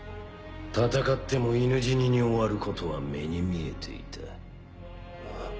戦っても犬死にに終わることは目に見えていた。